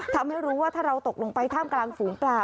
ทำให้รู้ว่าถ้าเราตกลงไปท่ามกลางฝูงปลา